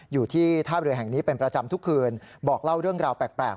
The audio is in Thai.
อยู่ที่ท่าเรือแห่งนี้เป็นประจำทุกคืนบอกเล่าเรื่องราวแปลก